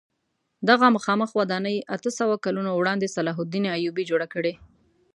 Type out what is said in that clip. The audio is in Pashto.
دغه مخامخ ودانۍ اتو سوو کلونو وړاندې صلاح الدین ایوبي جوړه کړې.